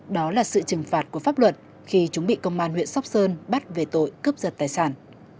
đó là sự trừng phạt của pháp luật khi chúng bị công an huyện sóc sơn bắt về tội cướp giật tài sản